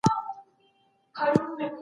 آیا ته په خپل ژوند کې د داسې بښنې وړتیا لرې؟